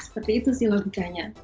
seperti itu sih logikanya